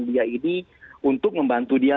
dia ini untuk membantu dia